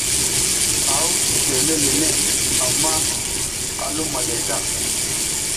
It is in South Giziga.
A huv teme le neʼe amma a lum matay a ta.